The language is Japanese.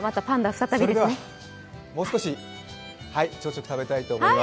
それではもう少し朝食食べたいと思います。